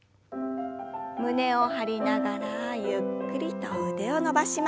胸を張りながらゆっくりと腕を伸ばしましょう。